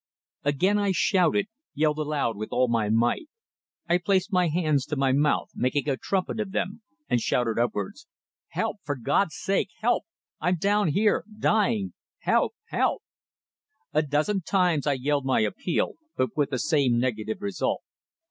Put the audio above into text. Again I shouted yelled aloud with all my might. I placed my hands to my mouth, making a trumpet of them, and shouted upwards: "Help! For God's sake! Help! I'm down here dying! Help! Help!" A dozen times I yelled my appeal, but with the same negative result.